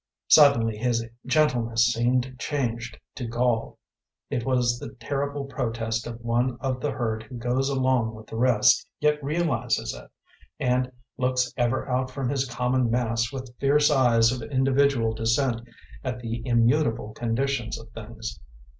Suddenly his gentleness seemed changed to gall. It was the terrible protest of one of the herd who goes along with the rest, yet realizes it, and looks ever out from his common mass with fierce eyes of individual dissent at the immutable conditions of things.